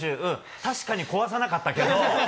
確かに壊さなかったけど。